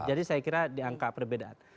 saya kira di angka perbedaan